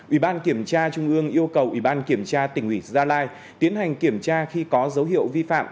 ủy ban kiểm tra trung ương yêu cầu ủy ban kiểm tra tỉnh ủy gia lai tiến hành kiểm tra khi có dấu hiệu vi phạm